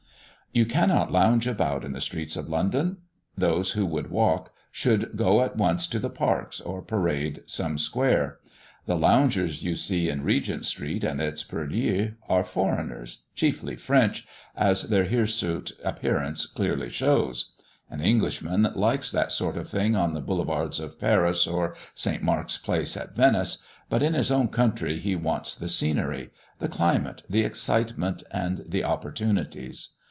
You cannot lounge about in the streets of London. Those who would walk, should go at once to the parks, or parade some square. The loungers you see in Regent Street and its purlieus, are foreigners, chiefly French, as their hirsute appearance clearly shows. An Englishman likes that sort of thing on the Boulevards of Paris, or St. Mark's Place, at Venice; but in his own country he wants the scenery, the climate, the excitement, and the opportunities.